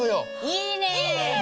いいね！